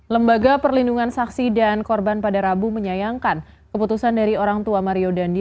lembaga perlindungan saksi dan korban pada rabu menyayangkan keputusan dari orang tua mario dandi